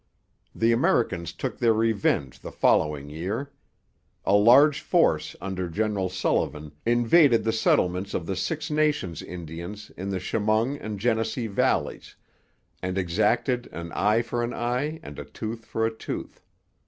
The Americans took their revenge the following year. A large force under General Sullivan invaded the settlements of the Six Nations Indians in the Chemung and Genesee valleys, and exacted an eye for an eye and a tooth for a tooth.